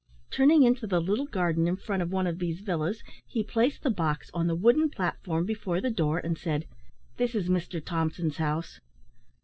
Turning into the little garden in front of one of these villas, he placed the box on the wooden platform before the door, and said, "This is Mr Thompson's house."